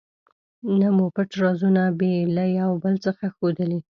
نه مو پټ رازونه بې له یو بل څخه ښودلي.